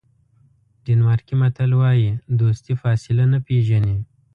ډنمارکي متل وایي دوستي فاصله نه پیژني.